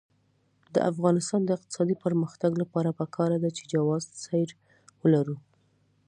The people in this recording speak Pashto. د افغانستان د اقتصادي پرمختګ لپاره پکار ده چې جواز سیر ولرو.